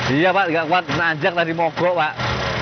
iya pak gak kuat menanjak tadi mogok pak